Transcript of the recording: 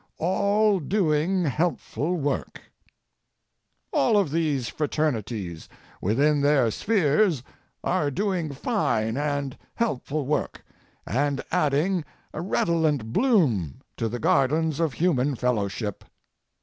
All Doing Helpful Work All of these fraternities, within their spheres, are doing fine and helpful work, and adding a redolent bloom to the gardens of human fellowship.